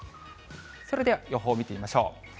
それでは予報見てみましょう。